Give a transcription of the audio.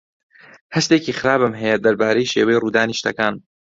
هەستێکی خراپم هەیە دەربارەی شێوەی ڕوودانی شتەکان.